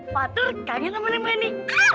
patron kangen sama neng feni